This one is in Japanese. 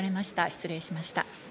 失礼しました。